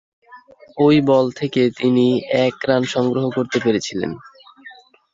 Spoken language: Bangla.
ঐ বল থেকে তিনি এক রান সংগ্রহ করতে পেরেছিলেন।